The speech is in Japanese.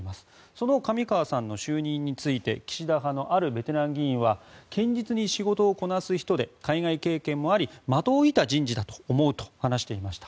その上川さんの就任について岸田派のあるベテラン議員は堅実に仕事をこなす人で海外経験もあり的を射た人事だと思うと話していました。